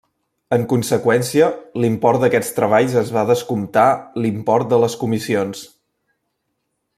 En conseqüència, l'import d'aquests treballs es va descomptar l'import de les comissions.